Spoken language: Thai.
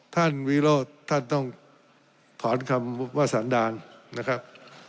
วิโรธท่านต้องถอนคำว่าสันดาลนะครับ